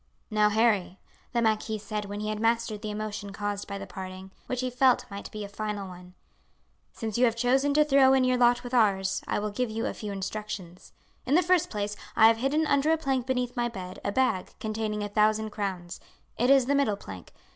"Now, Harry," the marquis said when he had mastered the emotion caused by the parting, which he felt might be a final one, "since you have chosen to throw in your lot with ours, I will give you a few instructions. In the first place, I have hidden under a plank beneath my bed a bag containing a thousand crowns. It is the middle plank.